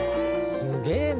すげえな。